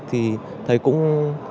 thì thầy cũng